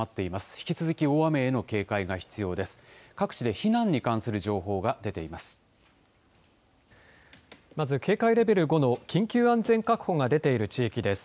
引き続き大雨への警戒が必要です。